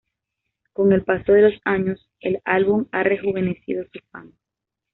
Con el paso de los años, el álbum ha rejuvenecido su fama.